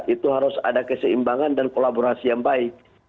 itu harus ada keseimbangan dan kolaborasi yang baik